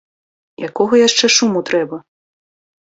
Якога яшчэ шуму трэба?